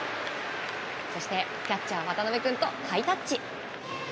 そして、キャッチャー渡辺君とハイタッチ。